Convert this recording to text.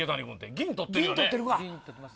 銀取ってるよ。